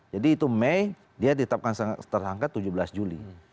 jadi itu mei dia ditetapkan seterhangka tujuh belas juli